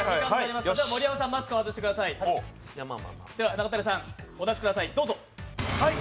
中谷さん、お出しください。